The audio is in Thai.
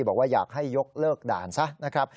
บอกว่าอยากให้ยกเลิกด่านซะนะครับ